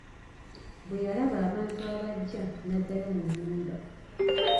Bwe yalaba abantu abajja n'addayo mu nyumba.